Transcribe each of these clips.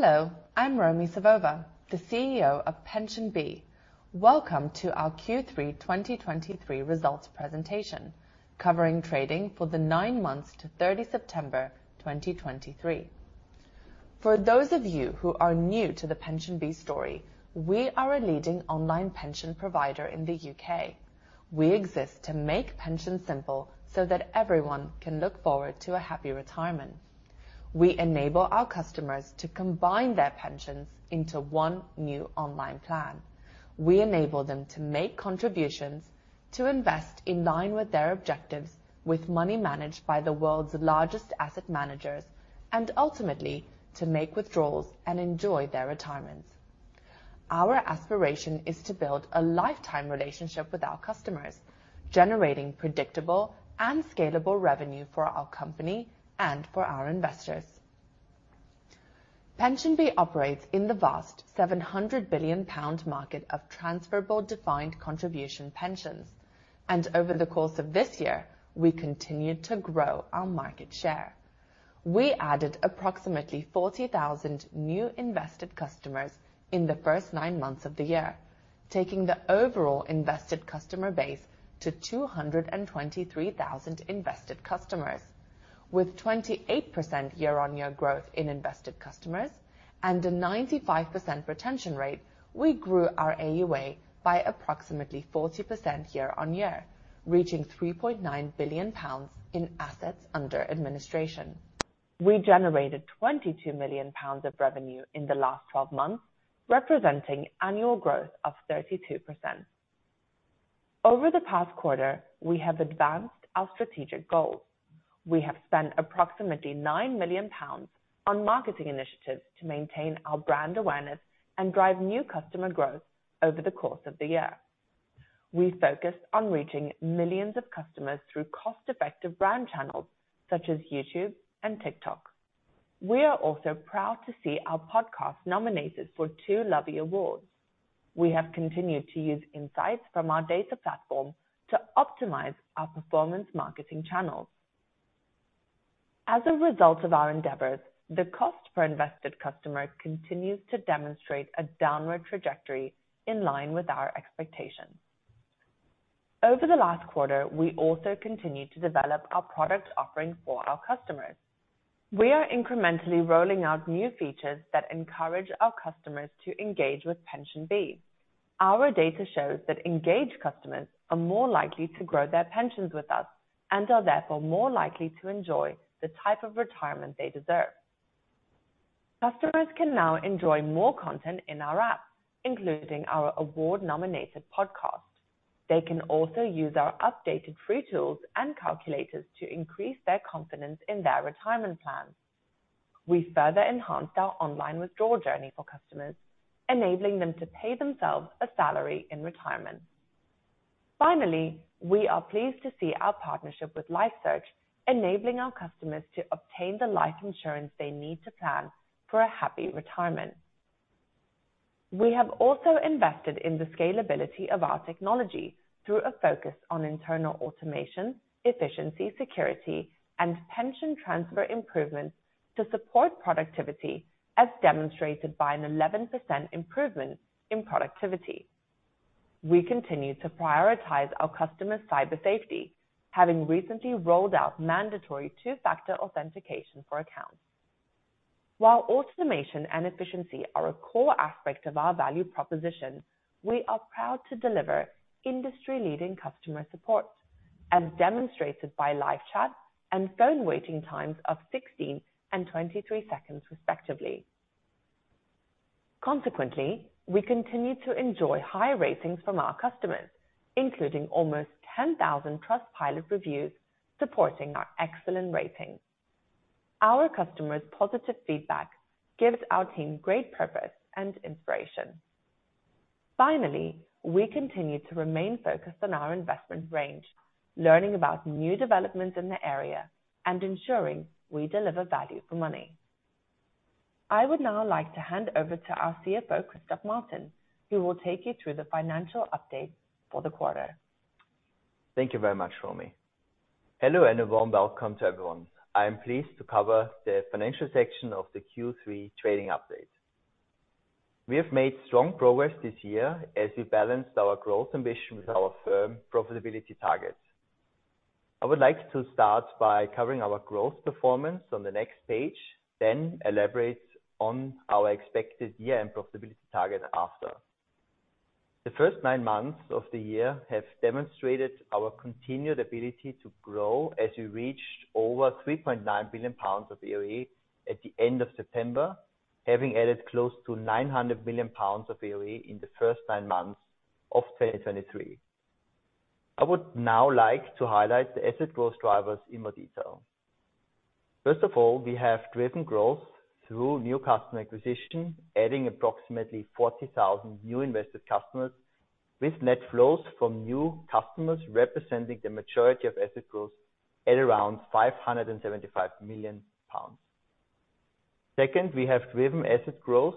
Hello, I'm Romi Savova, the CEO of PensionBee. Welcome to our Q3 2023 results presentation, covering trading for the 9 months to 30 September, 2023. For those of you who are new to the PensionBee story, we are a leading online pension provider in the U.K. We exist to make pensions simple so that everyone can look forward to a happy retirement. We enable our customers to combine their pensions into one new online plan. We enable them to make contributions, to invest in line with their objectives, with money managed by the world's largest asset managers, and ultimately, to make withdrawals and enjoy their retirements. Our aspiration is to build a lifetime relationship with our customers, generating predictable and scalable revenue for our company and for our investors. PensionBee operates in the vast 700 billion pound market of transferable, defined contribution pensions, and over the course of this year, we continued to grow our market share. We added approximately 40,000 new invested customers in the first 9 months of the year, taking the overall invested customer base to 223,000 invested customers. With 28% year-on-year growth in invested customers and a 95% retention rate, we grew our AUA by approximately 40% year-on-year, reaching 3.9 billion pounds in assets under administration. We generated 22 million pounds of revenue in the last 12 months, representing annual growth of 32%. Over the past quarter, we have advanced our strategic goals. We have spent approximately 9 million pounds on marketing initiatives to maintain our brand awareness and drive new customer growth over the course of the year. We focused on reaching millions of customers through cost-effective brand channels, such as YouTube and TikTok. We are also proud to see our podcast nominated for two Lovie Awards. We have continued to use insights from our data platform to optimize our performance marketing channels. As a result of our endeavors, the cost per invested customer continues to demonstrate a downward trajectory in line with our expectations. Over the last quarter, we also continued to develop our product offering for our customers. We are incrementally rolling out new features that encourage our customers to engage with PensionBee. Our data shows that engaged customers are more likely to grow their pensions with us and are therefore more likely to enjoy the type of retirement they deserve. Customers can now enjoy more content in our app, including our award-nominated podcast. They can also use our updated free tools and calculators to increase their confidence in their retirement plans. We further enhanced our online withdrawal journey for customers, enabling them to pay themselves a salary in retirement. Finally, we are pleased to see our partnership with LifeSearch, enabling our customers to obtain the life insurance they need to plan for a happy retirement. We have also invested in the scalability of our technology through a focus on internal automation, efficiency, security, and pension transfer improvements to support productivity, as demonstrated by an 11% improvement in productivity. We continue to prioritize our customers' cyber safety, having recently rolled out mandatory two-factor authentication for accounts. While automation and efficiency are a core aspect of our value proposition, we are proud to deliver industry-leading customer support, as demonstrated by live chat and phone waiting times of 16 and 23 seconds, respectively. Consequently, we continue to enjoy high ratings from our customers, including almost 10,000 Trustpilot reviews, supporting our excellent rating. Our customers' positive feedback gives our team great purpose and inspiration. Finally, we continue to remain focused on our investment range, learning about new developments in the area and ensuring we deliver value for money. I would now like to hand over to our CFO, Christoph Martin, who will take you through the financial update for the quarter. Thank you very much, Romi. Hello, and a warm welcome to everyone. I am pleased to cover the financial section of the Q3 trading update. We have made strong progress this year as we balanced our growth ambition with our firm profitability targets. I would like to start by covering our growth performance on the next page, then elaborate on our expected year-end profitability target after. The first 9 months of the year have demonstrated our continued ability to grow as we reached over 3.9 billion pounds of AUA at the end of September, having added close to 900 million pounds of AUA in the first 9 months of 2023. I would now like to highlight the asset growth drivers in more detail. First of all, we have driven growth through new customer acquisition, adding approximately 40,000 new invested customers, with net flows from new customers representing the majority of asset growth at around 575 million pounds. Second, we have driven asset growth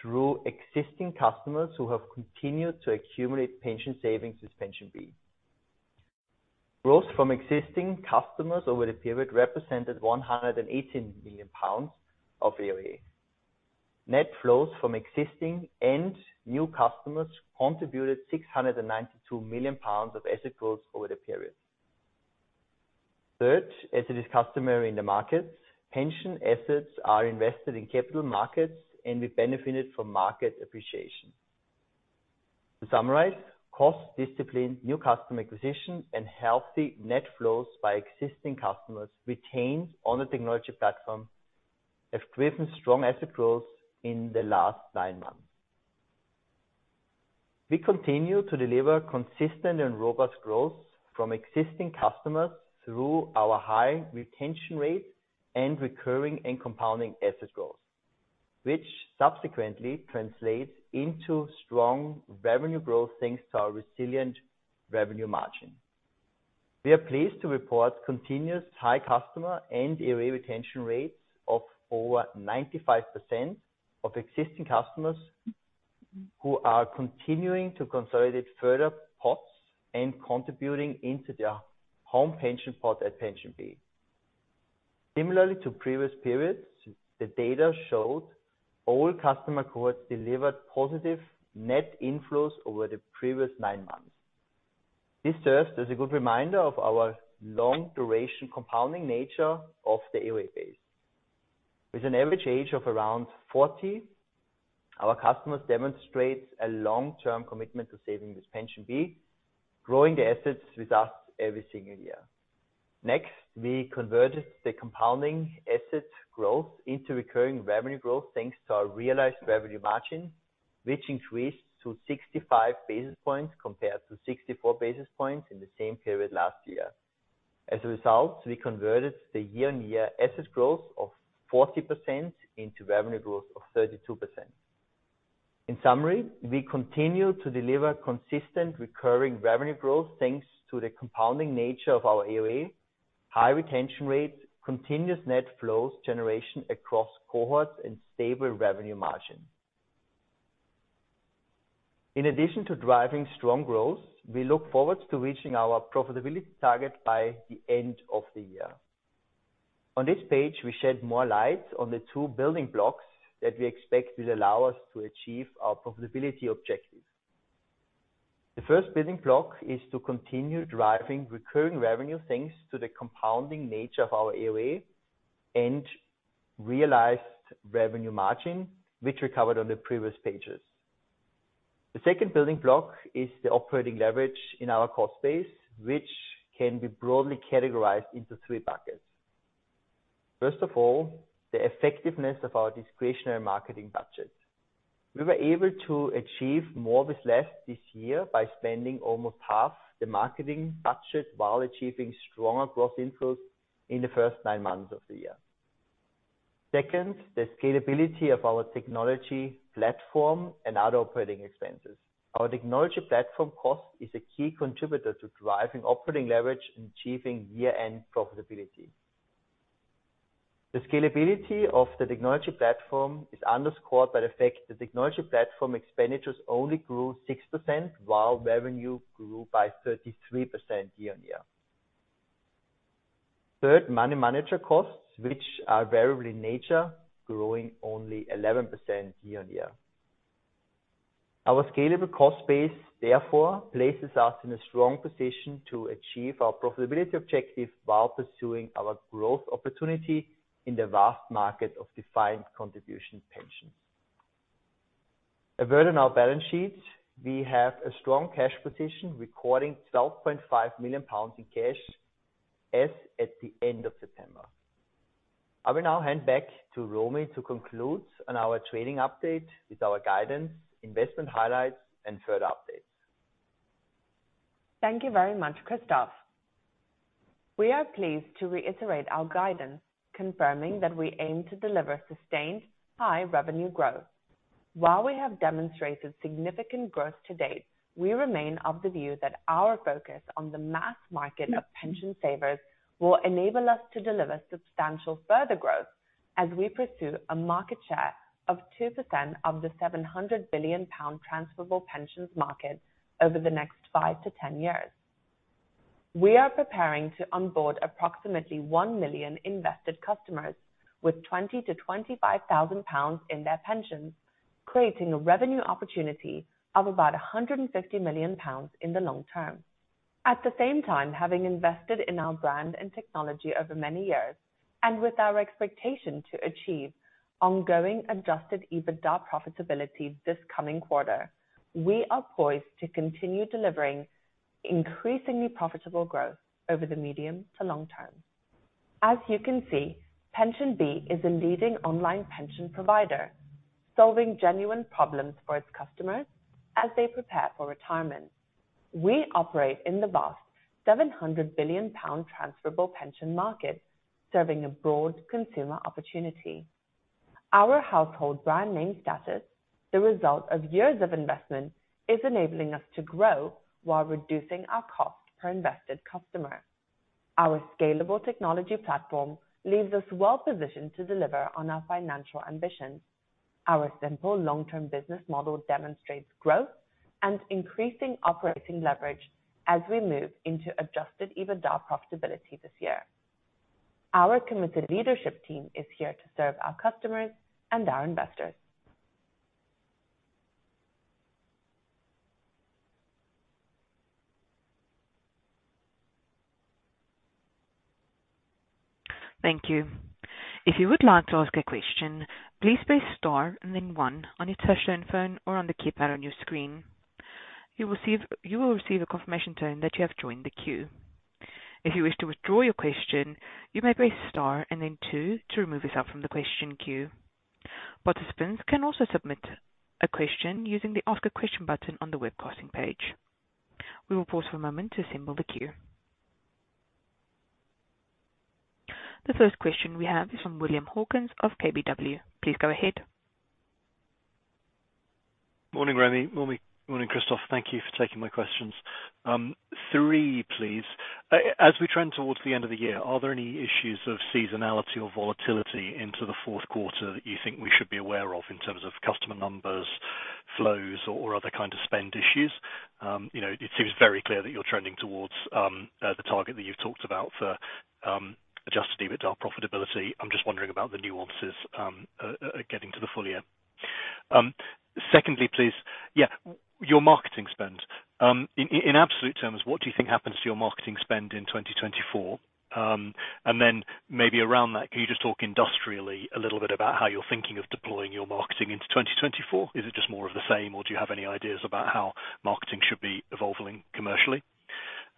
through existing customers who have continued to accumulate pension savings with PensionBee… Growth from existing customers over the period represented 118 million pounds of AUA. Net flows from existing and new customers contributed 692 million pounds of asset growth over the period. Third, as it is customary in the market, pension assets are invested in capital markets, and we benefited from market appreciation. To summarize, cost discipline, new customer acquisition, and healthy net flows by existing customers retained on the technology platform have driven strong asset growth in the last 9 months. We continue to deliver consistent and robust growth from existing customers through our high retention rate and recurring and compounding asset growth, which subsequently translates into strong revenue growth, thanks to our resilient revenue margin. We are pleased to report continuous high customer and AUA retention rates of over 95% of existing customers, who are continuing to consolidate further pots and contributing into their home pension pot at PensionBee. Similarly to previous periods, the data showed all customer cohorts delivered positive net inflows over the previous 9 months. This serves as a good reminder of our long duration compounding nature of the AUA base. With an average age of around 40, our customers demonstrate a long-term commitment to saving with PensionBee, growing their assets with us every single year. Next, we converted the compounding asset growth into recurring revenue growth, thanks to our realized revenue margin, which increased to 65 basis points compared to 64 basis points in the same period last year. As a result, we converted the year-on-year asset growth of 40% into revenue growth of 32%. In summary, we continue to deliver consistent recurring revenue growth thanks to the compounding nature of our AUA, high retention rates, continuous net flows generation across cohorts, and stable revenue margin. In addition to driving strong growth, we look forward to reaching our profitability target by the end of the year. On this page, we shed more light on the two building blocks that we expect will allow us to achieve our profitability objective. The first building block is to continue driving recurring revenue, thanks to the compounding nature of our AUA and realized revenue margin, which we covered on the previous pages. The second building block is the operating leverage in our cost base, which can be broadly categorized into three buckets. First of all, the effectiveness of our discretionary marketing budget. We were able to achieve more with less this year by spending almost half the marketing budget while achieving stronger growth inflows in the first 9 months of the year. Second, the scalability of our technology platform and other operating expenses. Our technology platform cost is a key contributor to driving operating leverage and achieving year-end profitability. The scalability of the technology platform is underscored by the fact the technology platform expenditures only grew 6%, while revenue grew by 33% year-on-year. Third, money manager costs, which are variable in nature, growing only 11% year-on-year. Our scalable cost base therefore places us in a strong position to achieve our profitability objective while pursuing our growth opportunity in the vast market of defined contribution pensions. A word on our balance sheet. We have a strong cash position, recording 12.5 million pounds in cash, as at the end of September. I will now hand back to Romi to conclude on our trading update with our guidance, investment highlights, and further updates. Thank you very much, Christoph. We are pleased to reiterate our guidance, confirming that we aim to deliver sustained high revenue growth. While we have demonstrated significant growth to date, we remain of the view that our focus on the mass market of pension savers will enable us to deliver substantial further growth as we pursue a market share of 2% of the 700 billion pound transferable pensions market over the next 5-10 years. We are preparing to onboard approximately 1 million invested customers with 20,000-25,000 pounds in their pensions, creating a revenue opportunity of about 150 million pounds in the long term. At the same time, having invested in our brand and technology over many years, and with our expectation to achieve ongoing Adjusted EBITDA profitability this coming quarter, we are poised to continue delivering increasingly profitable growth over the medium to long term. As you can see, PensionBee is a leading online pension provider, solving genuine problems for its customers as they prepare for retirement. We operate in the vast 700 billion pound transferable pension market, serving a broad consumer opportunity. Our household brand name status, the result of years of investment, is enabling us to grow while reducing our cost per invested customer. ...Our scalable technology platform leaves us well positioned to deliver on our financial ambitions. Our simple long-term business model demonstrates growth and increasing operating leverage as we move into Adjusted EBITDA profitability this year. Our committed leadership team is here to serve our customers and our investors. Thank you. If you would like to ask a question, please press star and then one on your touchtone phone or on the keypad on your screen. You will receive, you will receive a confirmation tone that you have joined the queue. If you wish to withdraw your question, you may press star and then two to remove yourself from the question queue. Participants can also submit a question using the Ask a Question button on the webcasting page. We will pause for a moment to assemble the queue. The first question we have is from William Hawkins of KBW. Please go ahead. Morning, Romi. Morning, Christoph. Thank you for taking my questions. Three, please. As we trend towards the end of the year, are there any issues of seasonality or volatility into the fourth quarter that you think we should be aware of in terms of customer numbers, flows, or other kind of spend issues? You know, it seems very clear that you're trending towards the target that you've talked about for Adjusted EBITDA profitability. I'm just wondering about the nuances getting to the full year. Secondly, please. Yeah, your marketing spend. In absolute terms, what do you think happens to your marketing spend in 2024? And then maybe around that, can you just talk industrially a little bit about how you're thinking of deploying your marketing into 2024? Is it just more of the same, or do you have any ideas about how marketing should be evolving commercially?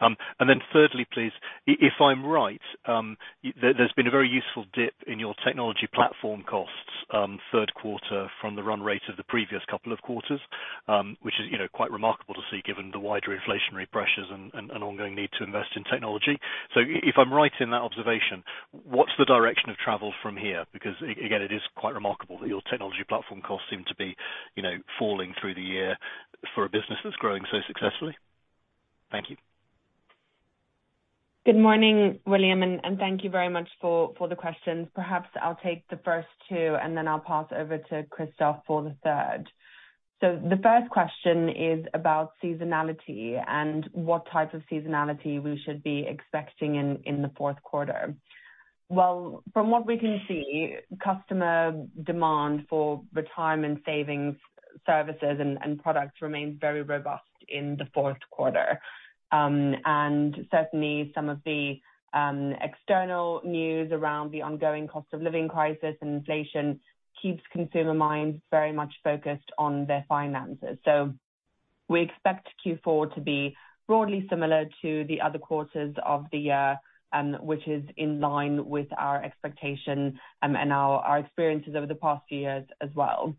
And then thirdly, please, if I'm right, there's been a very useful dip in your technology platform costs, third quarter from the run rate of the previous couple of quarters, which is, you know, quite remarkable to see, given the wider inflationary pressures and ongoing need to invest in technology. So if I'm right in that observation, what's the direction of travel from here? Because again, it is quite remarkable that your technology platform costs seem to be, you know, falling through the year for a business that's growing so successfully. Thank you. Good morning, William, and thank you very much for the questions. Perhaps I'll take the first two, and then I'll pass over to Christoph for the third. So the first question is about seasonality and what type of seasonality we should be expecting in the fourth quarter. Well, from what we can see, customer demand for retirement savings services and products remains very robust in the fourth quarter. And certainly some of the external news around the ongoing cost of living crisis and inflation keeps consumer minds very much focused on their finances. So we expect Q4 to be broadly similar to the other quarters of the year, which is in line with our expectations and our experiences over the past few years as well.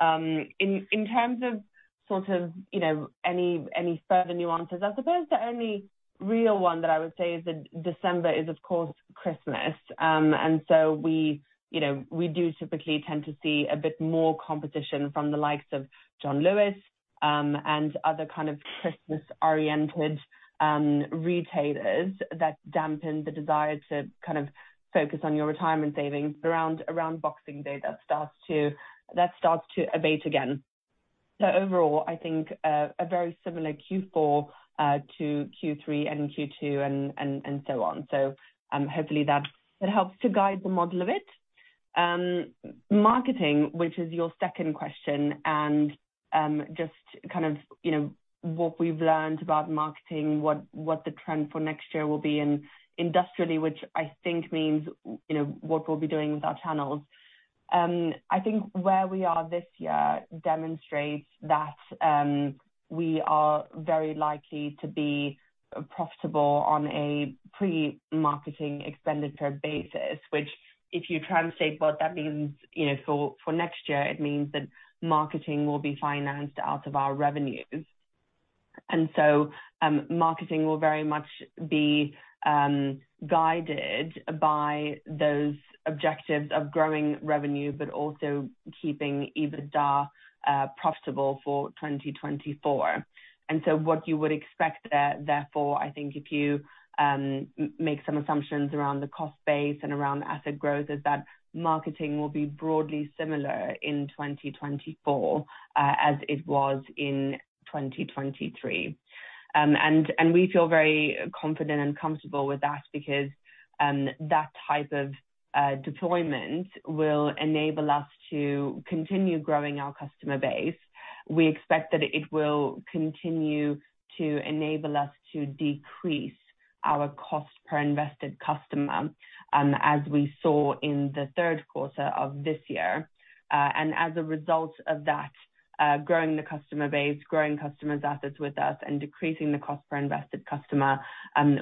In terms of sort of, you know, any further nuances, I suppose the only real one that I would say is that December is, of course, Christmas. And so we, you know, we do typically tend to see a bit more competition from the likes of John Lewis, and other kind of Christmas-oriented retailers that dampen the desire to kind of focus on your retirement savings. Around Boxing Day, that starts to abate again. So overall, I think a very similar Q4 to Q3 and Q2 and so on. So, hopefully that helps to guide the model a bit. Marketing, which is your second question, and just kind of, you know, what we've learned about marketing, what the trend for next year will be, and industrially, which I think means, you know, what we'll be doing with our channels. I think where we are this year demonstrates that we are very likely to be profitable on a pre-marketing expenditure basis, which if you translate what that means, you know, for next year, it means that marketing will be financed out of our revenues. And so, marketing will very much be guided by those objectives of growing revenue, but also keeping EBITDA profitable for 2024. And so what you would expect there, therefore, I think if you make some assumptions around the cost base and around the asset growth, is that marketing will be broadly similar in 2024, as it was in 2023. And we feel very confident and comfortable with that because that type of deployment will enable us to continue growing our customer base. We expect that it will continue to enable us to decrease our cost per invested customer, as we saw in the third quarter of this year. And as a result of that, growing the customer base, growing customers' assets with us, and decreasing the cost per invested customer,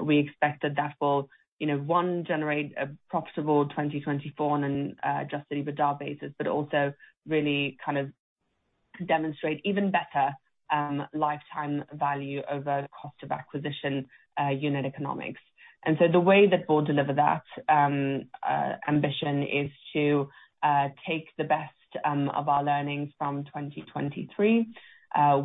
we expect that that will, you know, one, generate a profitable 2024 on an Adjusted EBITDA basis, but also really kind of demonstrate even better, lifetime value over the cost of acquisition, unit economics. And so the way that we'll deliver that, ambition is to take the best of our learnings from 2023,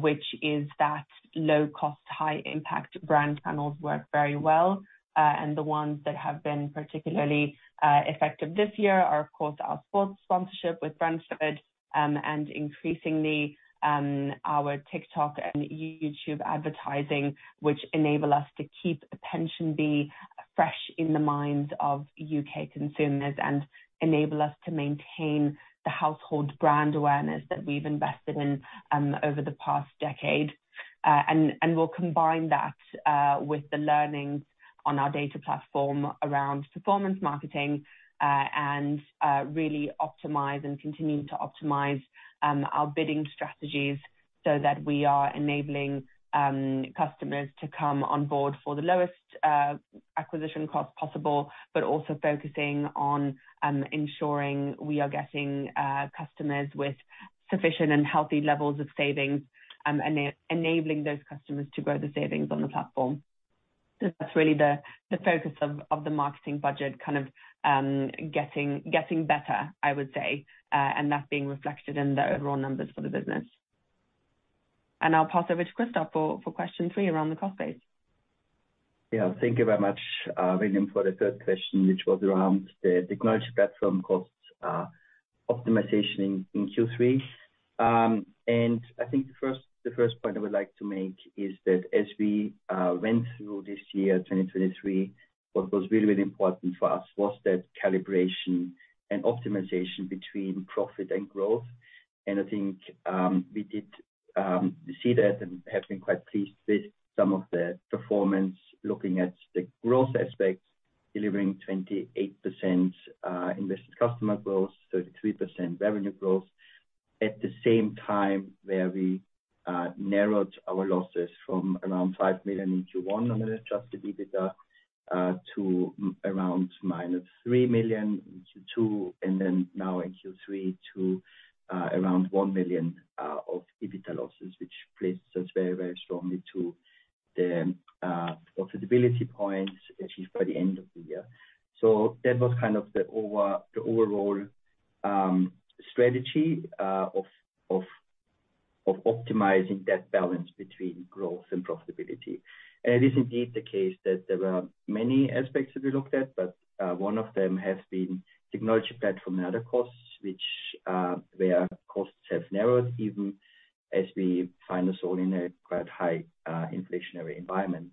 which is that low cost, high impact brand channels work very well. And the ones that have been particularly effective this year are, of course, our sports sponsorship with Brentford, and increasingly, our TikTok and YouTube advertising, which enable us to keep PensionBee fresh in the minds of U.K. consumers and enable us to maintain the household brand awareness that we've invested in over the past decade. And we'll combine that with the learnings on our data platform around performance marketing, and really optimize and continue to optimize our bidding strategies so that we are enabling customers to come on board for the lowest acquisition cost possible, but also focusing on ensuring we are getting customers with sufficient and healthy levels of savings, enabling those customers to grow their savings on the platform. So that's really the focus of the marketing budget, kind of, getting better, I would say, and that being reflected in the overall numbers for the business. And I'll pass over to Christoph for question three around the cost base. Yeah, thank you very much, William, for the third question, which was around the technology platform cost optimization in Q3. And I think the first point I would like to make is that as we went through this year, 2023, what was really, really important for us was that calibration and optimization between profit and growth. And I think we did see that and have been quite pleased with some of the performance, looking at the growth aspects, delivering 28% invested customer growth, 33% revenue growth. At the same time, where we narrowed our losses from around 5 million in Q1 on an Adjusted EBITDA to around -3 million in Q2, and then now in Q3 to around 1 million of EBITDA losses, which places us very, very strongly to the profitability points achieved by the end of the year. So that was kind of the overall strategy of optimizing that balance between growth and profitability. And it is indeed the case that there were many aspects that we looked at, but one of them has been technology platform and other costs, which where costs have narrowed, even as we find ourselves in a quite high inflationary environment.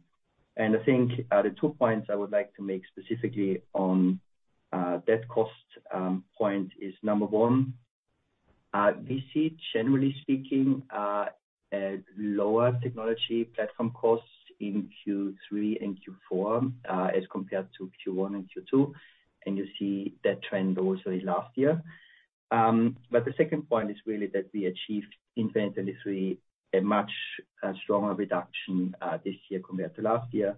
I think, the two points I would like to make specifically on that cost point is, number one, we see, generally speaking, a lower technology platform costs in Q3 and Q4, as compared to Q1 and Q2, and you see that trend also in last year. But the second point is really that we achieved in 2023, a much stronger reduction this year compared to last year.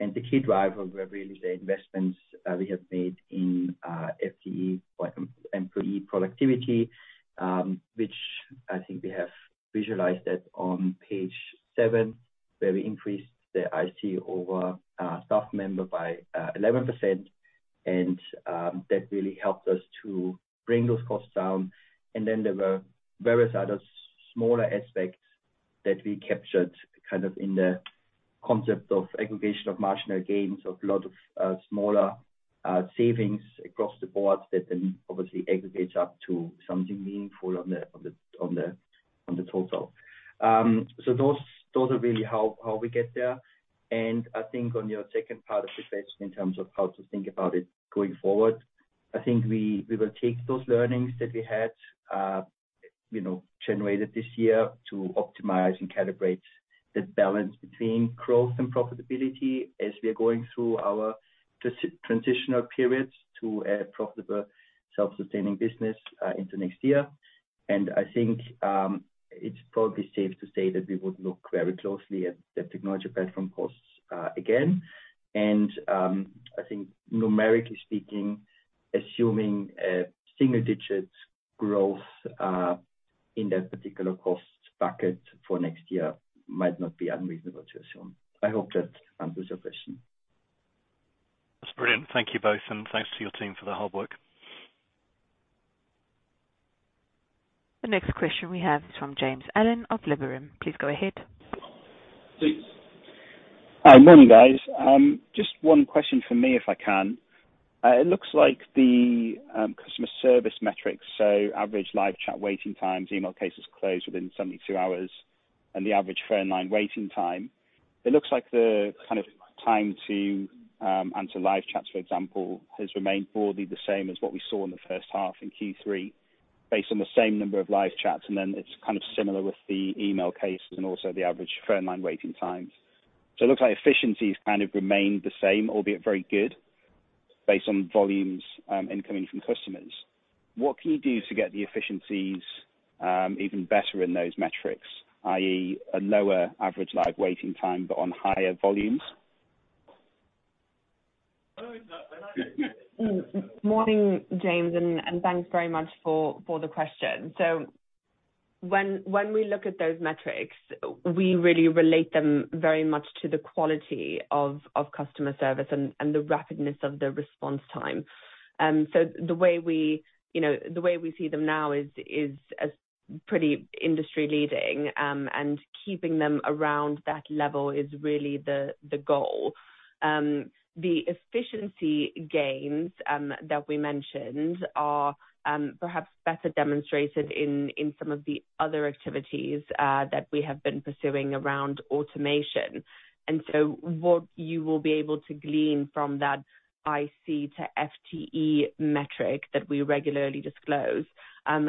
And the key driver were really the investments we have made in FTE or employee productivity, which I think we have visualized that on page seven, where we increased the IC over staff member by 11%. And that really helped us to bring those costs down. And then there were various other smaller aspects that we captured, kind of in the concept of aggregation of marginal gains, of a lot of smaller savings across the board that then obviously aggregate up to something meaningful on the total. So those are really how we get there. And I think on your second part of the question, in terms of how to think about it going forward, I think we will take those learnings that we had, you know, generated this year to optimize and calibrate the balance between growth and profitability as we are going through our transitional period to a profitable, self-sustaining business into next year. And I think it's probably safe to say that we would look very closely at the technology platform costs again. I think numerically speaking, assuming a single digit growth in that particular cost bucket for next year might not be unreasonable to assume. I hope that answers your question. That's brilliant. Thank you both, and thanks to your team for the hard work. The next question we have is from James Allen of Liberum. Please go ahead. Hi, morning, guys. Just one question from me, if I can. It looks like the customer service metrics, so average live chat waiting times, email cases closed within 72 hours, and the average phone line waiting time. It looks like the kind of time to answer live chats, for example, has remained broadly the same as what we saw in the first half in Q3, based on the same number of live chats, and then it's kind of similar with the email cases and also the average phone line waiting times. So it looks like efficiency has kind of remained the same, albeit very good, based on volumes incoming from customers. What can you do to get the efficiencies even better in those metrics, i.e., a lower average live waiting time, but on higher volumes? Morning, James, and thanks very much for the question. So when we look at those metrics, we really relate them very much to the quality of customer service and the rapidness of the response time. So the way we, you know, the way we see them now is as pretty industry leading, and keeping them around that level is really the goal. The efficiency gains that we mentioned are perhaps better demonstrated in some of the other activities that we have been pursuing around automation. And so what you will be able to glean from that IC to FTE metric that we regularly disclose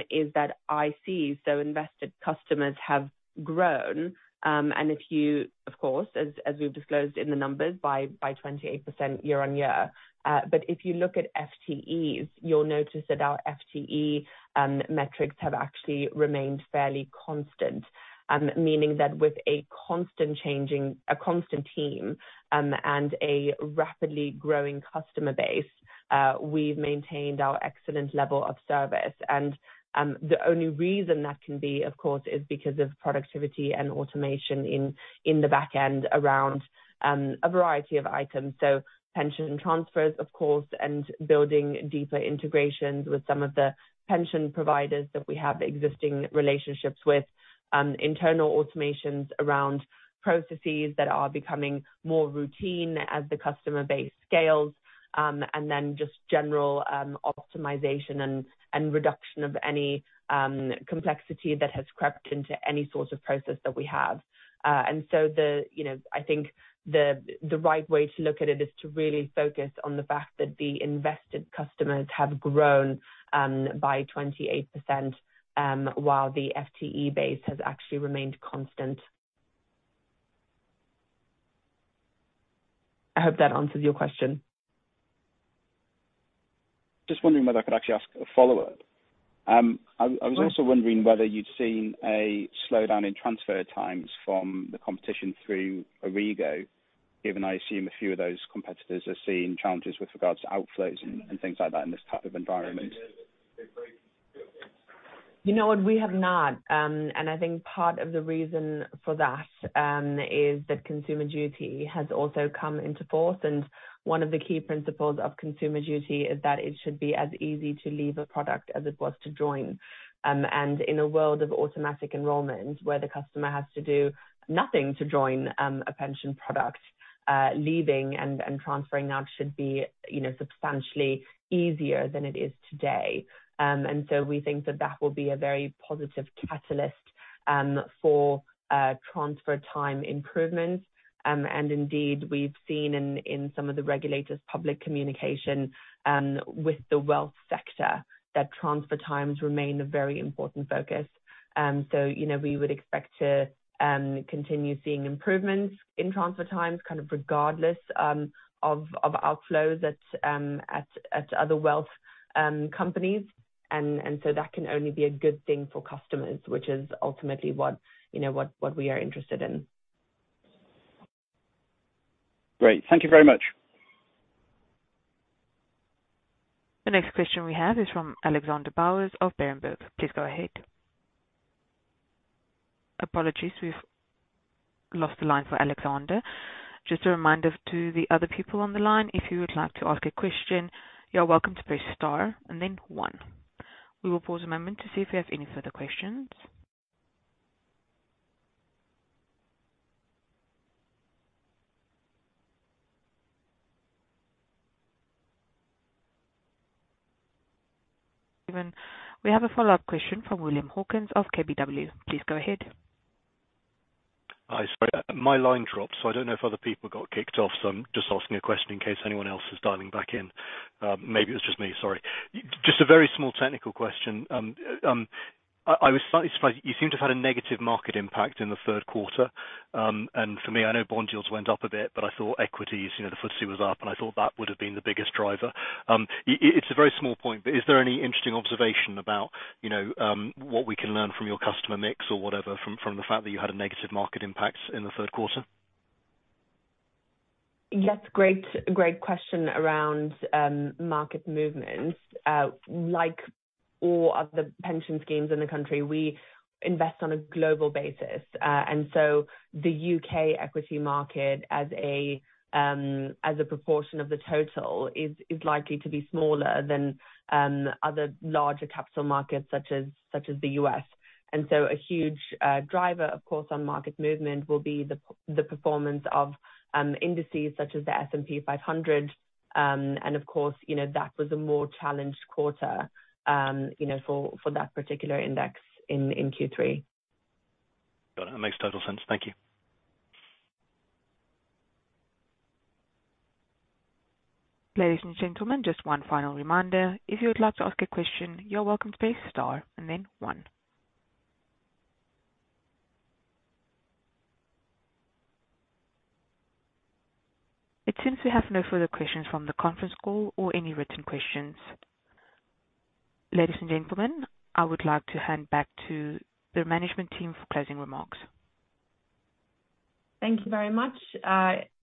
is that ICs, so invested customers, have grown. And if you, of course, as we've disclosed in the numbers by 28% year-on-year. But if you look at FTEs, you'll notice that our FTE metrics have actually remained fairly constant. Meaning that with a constant changing, a constant team, and a rapidly growing customer base, we've maintained our excellent level of service. The only reason that can be, of course, is because of productivity and automation in the back end around a variety of items. Pension transfers, of course, and building deeper integrations with some of the pension providers that we have existing relationships with. Internal automations around processes that are becoming more routine as the customer base scales. Then just general optimization and reduction of any complexity that has crept into any sort of process that we have. And so, you know, I think the right way to look at it is to really focus on the fact that the invested customers have grown by 28%, while the FTE base has actually remained constant. I hope that answers your question. Just wondering whether I could actually ask a follow-up? Sure. I was also wondering whether you'd seen a slowdown in transfer times from the competition through Origo, given I assume a few of those competitors are seeing challenges with regards to outflows and things like that in this type of environment. You know what? We have not. And I think part of the reason for that is that Consumer Duty has also come into force, and one of the key principles of Consumer Duty is that it should be as easy to leave a product as it was to join. And in a world of automatic enrollment, where the customer has to do nothing to join a pension product, leaving and transferring out should be, you know, substantially easier than it is today. And so we think that that will be a very positive catalyst for transfer time improvements. And indeed, we've seen in some of the regulators public communication with the wealth sector, that transfer times remain a very important focus. So you know, we would expect to continue seeing improvements in transfer times, kind of, regardless of outflows at other wealth companies. So that can only be a good thing for customers, which is ultimately what you know we are interested in. Great. Thank you very much. The next question we have is from Alexander Bowers of Berenberg. Please go ahead. Apologies, we've lost the line for Alexander. Just a reminder to the other people on the line, if you would like to ask a question, you are welcome to press star and then one. We will pause a moment to see if we have any further questions. We have a follow-up question from William Hawkins of KBW. Please go ahead. Hi. Sorry, my line dropped, so I don't know if other people got kicked off, so I'm just asking a question in case anyone else is dialing back in. Maybe it was just me, sorry. Just a very small technical question. I was slightly surprised, you seem to have had a negative market impact in the third quarter. And for me, I know bond yields went up a bit, but I thought equities, you know, the FTSE was up, and I thought that would have been the biggest driver. It's a very small point, but is there any interesting observation about, you know, what we can learn from your customer mix or whatever, from the fact that you had a negative market impact in the third quarter? Yes, great, great question around market movements. Like all other pension schemes in the country, we invest on a global basis. And so the U.K. equity market as a proportion of the total is likely to be smaller than other larger capital markets such as the U.S. And so a huge driver, of course, on market movement will be the performance of indices such as the S&P 500. And of course, you know, that was a more challenged quarter, you know, for that particular index in Q3. Got it. That makes total sense. Thank you. Ladies and gentlemen, just one final reminder, if you would like to ask a question, you're welcome to press star and then one. It seems we have no further questions from the conference call or any written questions. Ladies and gentlemen, I would like to hand back to the management team for closing remarks. Thank you very much.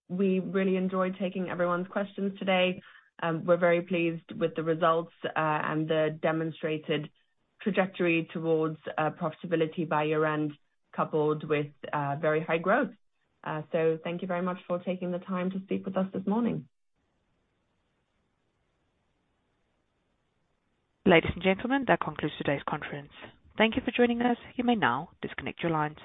We really enjoyed taking everyone's questions today. We're very pleased with the results, and the demonstrated trajectory towards profitability by year-end, coupled with very high growth. So thank you very much for taking the time to speak with us this morning. Ladies and gentlemen, that concludes today's conference. Thank you for joining us. You may now disconnect your lines.